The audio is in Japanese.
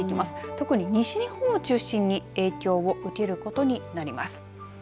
特に西日本を中心に影響を受けることになります。